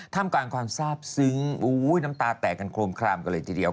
กลางความทราบซึ้งน้ำตาแตกกันโครมคลามกันเลยทีเดียว